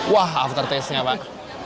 wah after taste nya pak